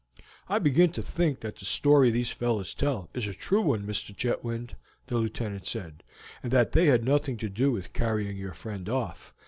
"I begin to think that the story these fellows tell is a true one, Mr. Chetwynd," the Lieutenant said, "and that they had nothing to do with carrying your friend off.